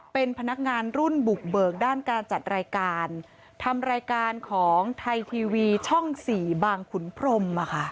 เป็นพนักงานรุ่นบุกเบิกด้านการจัดรายการทำรายการของไทยทีวีช่องสี่บางขุนพรม